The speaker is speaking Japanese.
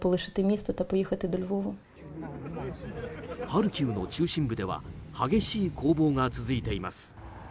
ハルキウの中心部では激しい攻防が続いています。